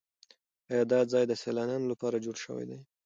ایا دا ځای د سیلانیانو لپاره جوړ شوی دی؟